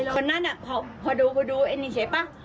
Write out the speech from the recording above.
พ่อนั้นน่ะพอดูพอดูอันนี้เสียไป